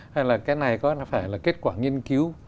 hay là cái này có phải là kết quả nghiên cứu